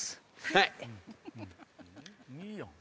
はい！